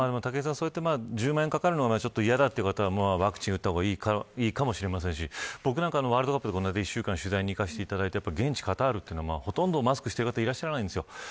そうやって１０万円かかるのは嫌だという方はワクチンを打った方がいいかもしれませんし僕なんかワールドカップで１週間取材に行って現地カタールは、ほとんどマスクをしてる方がいらっしゃらないんですよ。